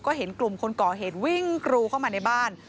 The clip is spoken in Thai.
ก็เห็นกลุ่มคนก่อเหตุวิ่งกรูเข้ามาในบ้าน